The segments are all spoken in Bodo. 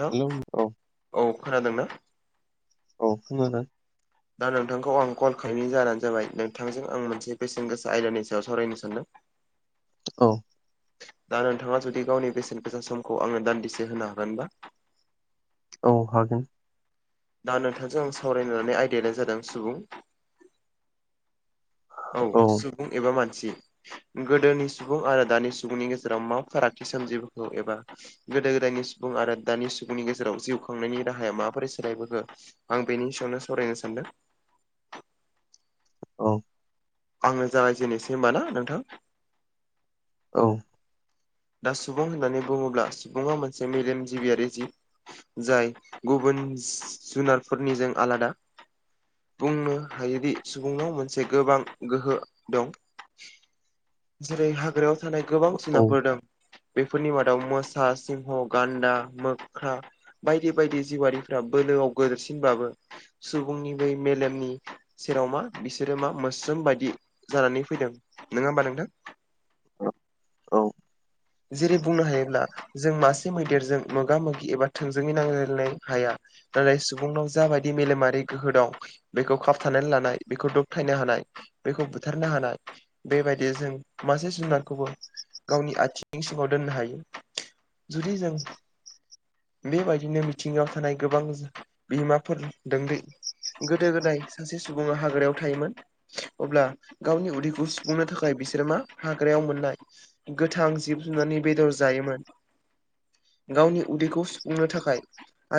हेल' हेलौ औ औ खोनादों अ मा दा नोंथांखौ आं कल खााहिनि जानो जाबाय नोंथांजों आं मोनसे बेसेन गोसा आयदानि सायाव सावरायनो सानदों। [inaudible] औ। दा नोंथाङा जुदि गावनि बेसेन बेसा समखौ आङो दान्दिसे होनो हागोनबा? औ हागोन दा नोंथांजों आं सावरायनानै आयदायायानो जादों सुबुं औ सुबुं एबा मानसि। गोदोनि सुबुं आरो दानि सुबुंनि गेजेराव मा फारागथि सोमजिबोखौ एबा। गोदो गोदायनि सुबुं आरो दानि सुबुंनि गेजेराव जिउ खांनायनि राहाया माबोरै सोलायबोख आं बेनि सायावनो सावरायनो सानदों। औ। आङो जागायजेननोसै होनबा ना नोंथां औ दा सुबुं होननानै बुङोब्ला सुबुङा मोनसे मेलेम जिबियारि जिब जाय गुबुन जुनारफोरनिजों आलादा बुंनो हायिदि सुबुंाव मोनसे गोबां गोहो दं जेरै हाग्रायाव थानाय गोबां औ जुनारफोर दं बेफोरनि मादाव मोसा सिंह गान्दा मोख्रा बायदि बायदि जिउारिफ्रा बोलोआव गोदोरसिनबाबो सुबुंनि बै मेलेमनि सेराव मा बिसोरो मा मोस्रोम बायदि जानानै फैदों नङा होमबा नोंथां औ जेरै बुंनो हायोब्ला जों मासे मैदेरजों मोगा मोगि एबा थोंजोङै नांजलायनो हाया नाथाय सुबुंनाव जाबायदि मेलेमारि गोहो दं बेखौ खाबथानानै लानाय बेखौ दबथायनो हानाय बेखौ बुथारनो हानाय बेबायदि जों मासे जुनारखौबो गावनि आथिं इसिङाव दोननो हायो जुदि जों बेबायदिनो मिथिङायाव थानाय गोबां बिहोमाफोर ददै गोदो गोदाय सासे सुबुङा हाग्रायाव थायोमोन अब्ला गावनि उदैखौ सुफुंनो थाखाय बिसोर मा हाग्रायाव मोननाय गोथां जिब जुननि बेदर जायोमोन गावनि उदैखौ सुफुंनो थाखाय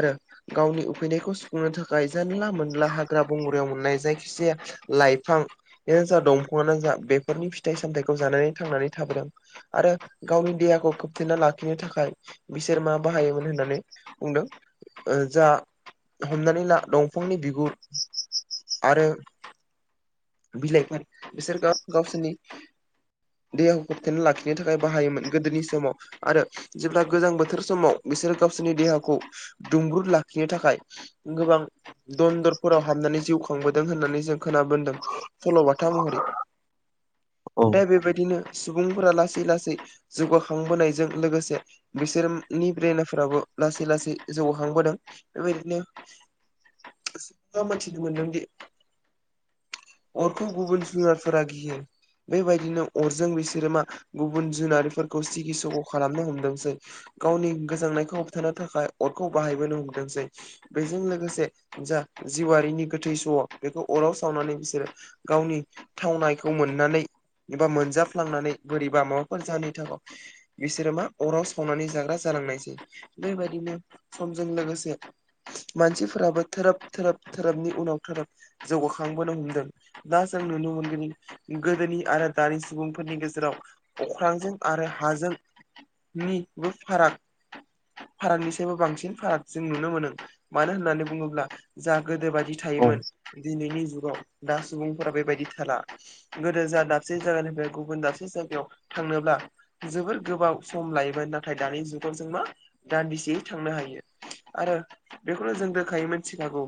आरो गावनि उखैनायखौ सुफुंनो थाखाय जानला मोनला हाग्रा बंग्रायाव मोननाय जायखिजाया लाइफां बे जा दंफाङआानो जा बेफोरनि फिथाइ सामथायाइखौ जानानै थांनानै थाबोदों आरो गावनि देहाखौ खोबथेना लाखिनो थाखाय बिसोर मा बाहायोमोन होननानै बुंदों जा हमनानै ला दंफांनि बिगुर आरो बिलाइफोर बिसोर गावसोरनि देहाखौ फोबथेना लाखिनो थाखाय बाहायोमोन गोदोनि समाव आरो जेब्ला गोजां बोथोर समाव बिसोरो गावसोरनि देहाखौ दुंबुर लाखिनो थाखाय गोबां दन्दरफोराव हाबनानै जिउ खांबोदों होननानै जों खोनाबोनदों सल'बाथा महरै औ औ दा बेबायदिनो सुबुंफोरा लासै लासै जौगाखांबोनायजों लोगोसे बिसोरनि ब्रेनाफोराबो लासै लासै जौहांबोदों बेबायदिनो मा मोनथिनो मोनदोंदि अरखौ गुबुन जुनारफोरा गियो बेबायदिनो अरजों बिसोर मा गुबुन जुनारफोरखौ सिगिसख' खालामनो हमदोंसै गावनि गोजांनायखौ होबथानो थाखाय अरखौ बाहायबोनो हमदोंसै बेजों लोगोसे जा जिवारिनि गोथै स' बेखौ अराव सावनानै बिसोरो गावनि थावनायखौ मोननानै एबा मोनजाफ्लांनानै बोरैबा माबाफोर जाहोननि थाखाय बिसोरो मा अराव सावनानै जाग्रा जानांनायसै बेबायदिनो समजों लोगोसे मानसिफोराबो थोरोब थोरोब ोरोबनि उनाव थोरोब जौगाखांबोनो हमदों दा जों नुनो मोनगोन गोदोनि आरो दानि सुबुंफोरनि गेजेराव अख्रांजों आरो हाजोंनिबो फाराग फारागनि सबो बांसिन फाराग जों नुनो मोनो मानो होननानै बुङोब्ला जा गोदो बायदि थायोमोन दिनैनि जुगाव दा सुबुंफोरा बेबायदि थाला गोदो जा दाबसे जायगानिफ्राय गुबुन दाबसे जायगायाव थांनोब्ला जोबोर गोबाव सम लायोमोन नाथाय दानि जुगाव जों मा दान्दिसेयै थांनो हायो आरो बेखौनो जों रोखायै मिथिखागौ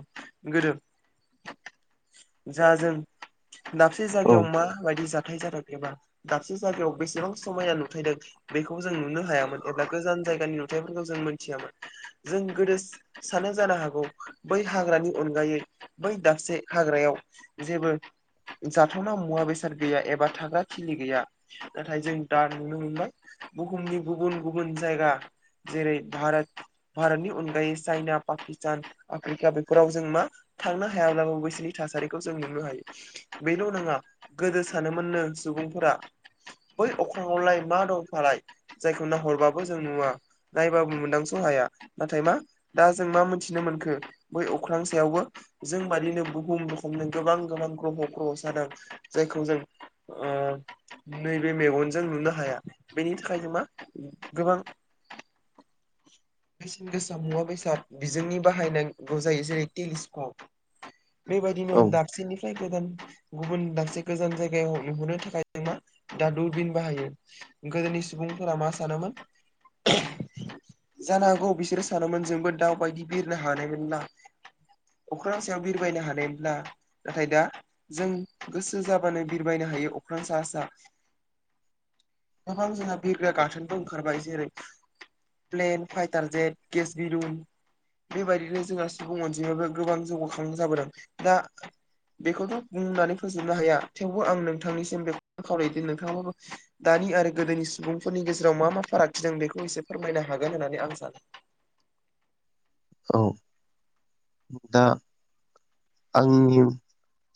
गोदो जा जों दाबसे जायगायाव माबायदि जाथाय जादों एबा दाबसे जायगायाव बेसेबां समायाना नुथायदों। बेखौ जों नुनो हायामोन एबा गोजान जायगानि नुथायफोरखौ जों मोनथियामोन। जों गोदो सानो जानो हागौ बै हाग्रानि अनगायै बै दाबसे हाग्रायाव जेबो जाथावना मुवा बेसाद गैया एबा थाग्रा थिलि गैया। नाथाय जों दा नुनो मोनबाय बुहुमनि गुबुन गुबुन जायगा जेरै भारत भारतनि अनगायै चाइना पाकिस्तान आफ्रिका बेफोराव जों मा थांनो हायाब्लाबो बै थासारिखौ जों नुनो हायो बेल' नङा गोदो सानोमोननो सुबुंफोरा बै अखमावलाय मा दंफालाय जायखौ नाहरबाबो जों नुवा नायबाबो मोनदां सहाया नाथाय मा दा जों मा मोनथिनो मोनखो बै अख्रां सायावबो जों बादिनो बुहुम रखोमनि गोबां गोबां ग्रह' ग्रह' जादों जायखौ जों नैबे मेगनजों नुनो हाया बेनि थाखायनो मा गोबां बेसेन गोसा मुवा बेसाद बिजोंनि बाहायनांगौ जायो जेरै टेलिस्क'प बेबायदिनो औ दा दाबसेनिफ्राय गोजान गुबुन दानसे गोजान जायगायाव नुहरनो थाखाय जों मा दा दुरबिन बाहायो गोदोनि सुबुंफोरा मा सानोमोन। जानो हागौ बिसोरो सानोमोन जोंबो दाउ बायदि बिरनो हानायमोन ना अख्रां सायाव बिरबायनो हानायब्ला नाथाय दा जों गोसो जाबानो बिरबायनो हायो अख्रां सा सा गोबां जोंहा बिग्रा गाथोनबो ओंखारबाय जेरै प्लेन फाइटार जेट केस बि रल बेबायदिनो जोंहा सुबुं अनजिमायो गोबां जौगाखां जाबोदों दा बेखौथ' बुंनानै फोजोबनो हाया थेवबो आं नोंथांनिसिम बेखौ खावलायदो नोंथांङाबो दानि आरो गोदोनि सुबुंफोरनि गेजेराव मा मा फारागथि द बेखौ एसे फोरमायनो हागोन होननानै आं सानो औ दा आंनि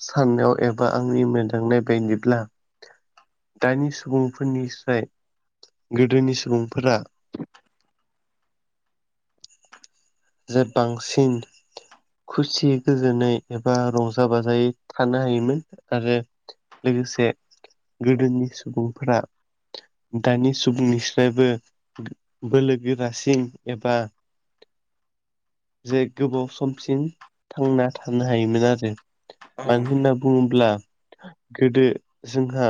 साननायाव एबा आंनि मदांनाय बायदिब्ला दानि सुबुंफोरनिफ्राय गोदोनि सुबुंफोरा जे बांसिन खुसियै गोजोनै एबा रंजा बाजायै थानो हायोमोन आरो। लोगोसे गोदोनि सुबुंफोरा दानि सुबुंनिफ्रायबो बोलो गोरासिन एबा जे गोबाव समसिम थांना थानो हायोमोन आरो औ मानो नोंथां होनोब बुङोब्ला गोदो जोंहा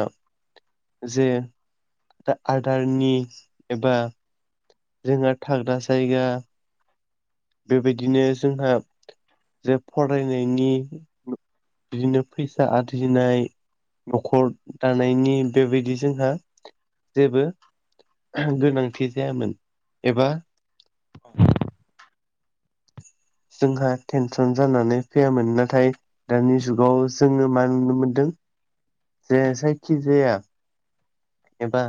जे दा आदारनि एबा जोंहा थाग्रा जायगा बेबायदिनो जोंहा जे फरायनायनि बिदिनो फैसा आरजिनाय न'खर दानायनि बेबायदि जोंहा जेबो गोनांथि जायामोन एबा जोंहा टेनसन जानानै फैयामोन नाथाय दानि जुगाव जोङो मा नुनो मोनदों। जे जायखिजाया एबा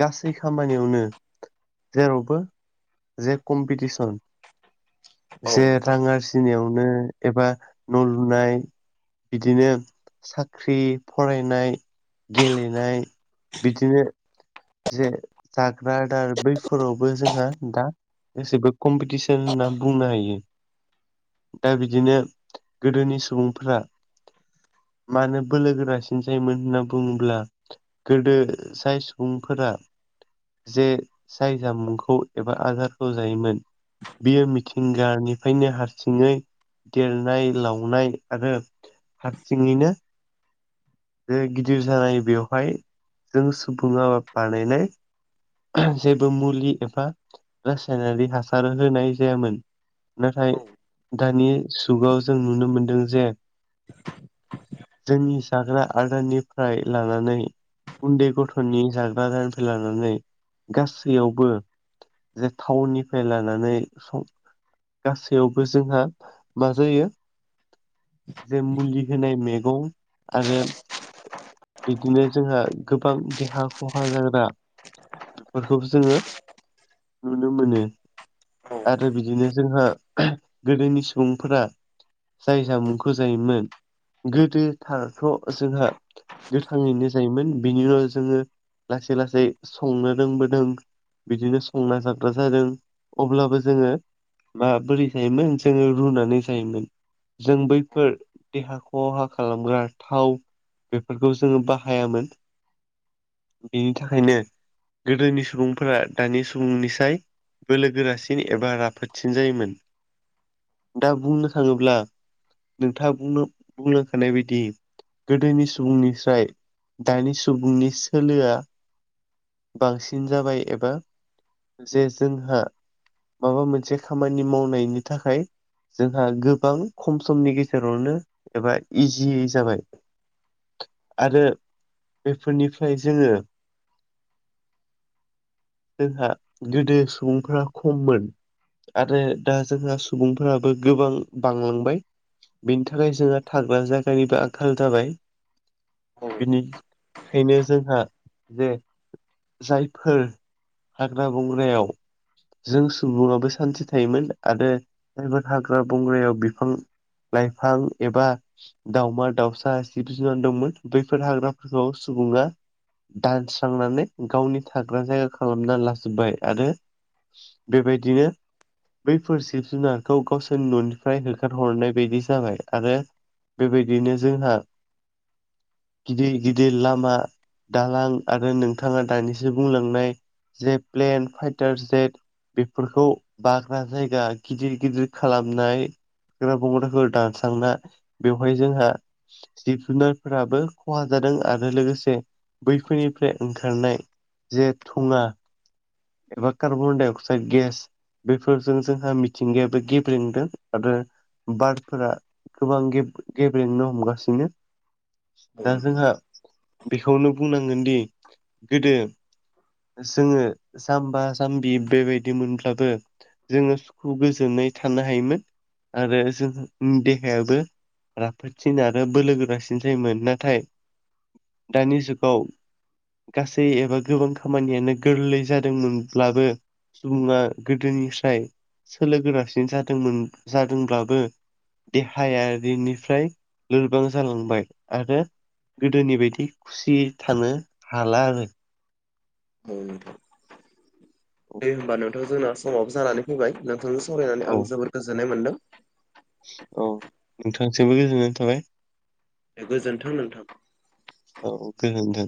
गासै खामानियावनो जेरावबो जे कम्पिटिसन जे रां आरजि दिनियावनो एबा न' लुनाय बिदिनो साख्रि फरायनाय गेलेनाय बिदिनो जे जाग्रा दार बैफोरावबो जोंहा दा गासिबो कम्पिटिसन होनना बुंनो हायो। दा बिदिनो गोदोनि सुबुंफ मानो बोलो गोरासिन जायोमोन होनना बुङोब्ला गोदो साइज सुबुंफोरा जे साय जामुंखौ एबा आदारखौ जायोमोन बियो मिथिंगानिफ्रायनो हारसिङै देरनाय लावनाय आरो हारसिङैनो जे गिदिर जानाय बेवहाय जों सुबुङा बानायनाय जेबो मुलि एबा रासायनारि हासार होनाय जायामोन नाथाय दानि जुगाव जों नुनो मोनदों जे [inaudible] जोंनि जाग्रा आदारनिफ्राय लानानै उन्दै गथ'नि जाग्रा आदारनिफ्राय लानानै गासैयावबो जे टाावननिफ्राय लानानै स गासैयावबो जोंहा मा जायो जे मुलि होनाय मैगं आरो बिदिनो जोंहा गोबां देहा खहा जाग्रा फोरखौबो जोङो नुनो मोनो औ आरो बिदिनो जोंहा गोदोनि सुबुंफोरा जाय जामुंखौ जायोमोन गोदोथारथ' जोंहा गोथाङैनो जायोमोन बिनि उनाव जोङो लासै लासै संनो रोंबोदों बिदिनो संना जाग्रा जादों अब्लाबो जोङो माबोरै जायोमोन जोङो रुनानै जायोमोन जों बैफोर देहा खहा खालामग्रा थाव बेफोरखौ जोङो बाहायामोन बेनि थाखायनो गोदोनि सुबुंफोरा दानि सुबुंनिसाय बोलो गोरासिन एबा राफोदसिन जायोमोन दा बुंनो थाङोब्ला नोंथाङा बुंलांखानाय बायदि गोदोनि सुबुंनिफ्राय दानि सुबुंनि सोलोआ बांसिन जाबाय एबा जे जोंहा माबा मोनसे खामानि मावनायनि थाखाय जोंहा गोबां खम समनि गेजेरावनो एबा इजियै जाबाय आरो बेफोरनिफ्राय जोङो जोंहा गोदो सुबुंफोरा खममोन आरो दा जोंहा सुबुंफोराबो गोबां बांलांबाय बेनि थाखाय जोंहा थाग्रा जायगानिबो आंखाल जाबाय औ बिनिखायनो जोंहा जे जायफोर हाग्रा बंग्रायाव जों सुबुङाबो सान्थि थायोमोन आरो जायफोर हाग्रा बंग्रायाव बिफां लाइफां एबा दाउमा दाउसा जिब जुनार दंमोन बैफोर हाग्राफोरखौ सुबुङा दान्स थांनानै गावनि थाग्रा जायगा खालामना लाजोबबाय आरो बेबायदिनो बैफोर जिब जुनारखौ गावसोरनि न'निफ्राय होखारहरनाय बायदि जाबाय आरो बेबायदिनो जोंहा गिदिर गिदिर लामा दालां आरो नोंथाङा दानिसो बुंलांनाय जे प्लेन फाइटार जेट बेफोरखौ बाग्रा जायगा गिदिर गिदिर खालामनाय [unintelligible] बेवहाय जोंहा जिब जुनारफोराबो खहा जादों आरो लोगोसे फोरनिफ्राय ओंखारनाय जे थुङा एबा खारबनडाइ आक्साइड गेस बेफोरजों जोंहा मिथिंगायाबो गेब्रेंदों आरो बारफोरा गोबां गेब्रेंनो हमगासिनो दा जोंहा बेखौनो बुंनांगोनदि गोदो जोङो जाम्बा जाम्बि बेबायदि मोनब्लाबो जोङो सुखु गोजोनै थानो हायोमोन आरो जों देहायाबो राफोदसिन आरो बोलो गोरासिन जायोमोन नाथाय दानि जुगाव गासै एबा गोबां खामानियानो गोरलै जादोंमोनब्लाबो सुबुङा गोदोनिफ्राय सोलो गोरासिन जादोंमोन जादोंब्लाबो देहायारिनिफ्राय लोरबां जालांबाय आरो गोदोनि बायदि खुसि थानो हाला आरो औ नोंथां दे होमबा नोंथां जोंना समाबो जानानै फैबाय नोंथांजों सावरायनानै औ आं जोबद गोजोननाय मोन्दों। औ नोंथांसिबो गोजोननाय थाबाय। बे गोजोन्थों नोंथां। औ दे